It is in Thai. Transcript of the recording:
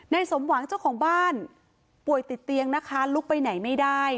สมหวังเจ้าของบ้านป่วยติดเตียงนะคะลุกไปไหนไม่ได้